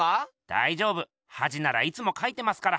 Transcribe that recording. だいじょうぶはじならいつもかいてますから。